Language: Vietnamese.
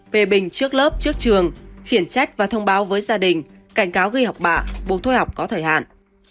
phê bình trước lớp trước trường khiển trách và thông báo với gia đình cảnh cáo ghi học bạ buộc thôi học có thời hạn